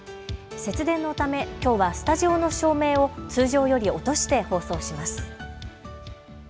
節電のためきょうはスタジオの照明を通常より落として放送します。